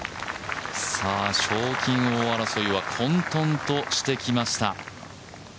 賞金王争いは混とんとしてきました。